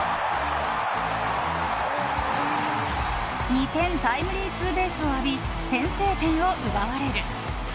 ２点タイムリーツーベースを浴び先制点を奪われる。